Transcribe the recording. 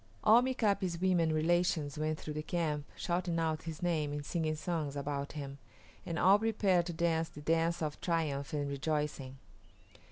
All Mika´pi's women relations went through the camp, shouting out his name and singing songs about him, and all prepared to dance the dance of triumph and rejoicing.